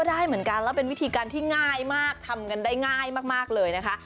แล้วเป็นวิธีการที่ง่ายมากทำเงินได้ง่ายมากเลยนะคะ